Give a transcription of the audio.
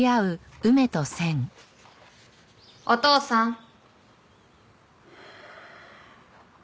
お父さん。